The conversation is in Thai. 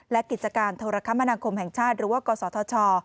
และกิจการโทรคมนาคมแห่งชาติหรือว่ากศธช